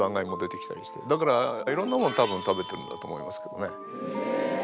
だからいろんなもの多分食べてるんだと思いますけどね。